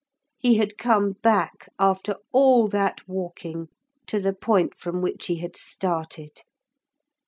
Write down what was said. He had come back, after all that walking, to the point from which he had started.